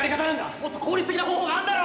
もっと効率的な方法があるだろ！